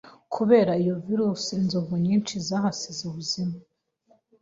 Kubera iyo virusi, inzovu nyinshi zahasize ubuzima.